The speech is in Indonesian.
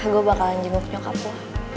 gue bakalan jemput nyokap lu